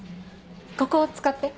ここ使って。